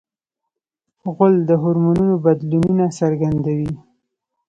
غول د هورمونونو بدلونه څرګندوي.